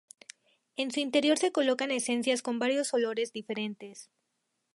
En su interior se colocaban esencias con varios olores diferentes.